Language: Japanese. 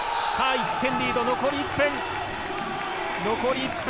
１点リード、残り１分。